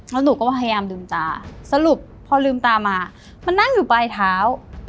แล้วหนูก็พยายามลืมตาสรุปพอลืมตามามันนั่งอยู่ปลายเท้า